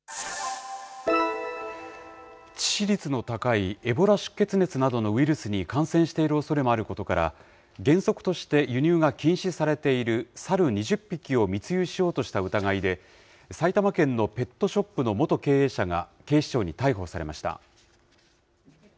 致死率の高いエボラ出血熱などのウイルスに感染しているおそれもあることから、原則として輸入が禁止されている猿２０匹を密輸しようとした疑いで、埼玉県のペットショップの元経営者が警視庁に逮捕されました。